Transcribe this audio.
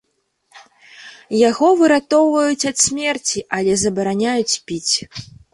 Яго выратоўваюць ад смерці, але забараняюць піць.